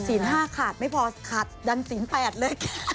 ๕ขาดไม่พอขาดดันศีล๘เลย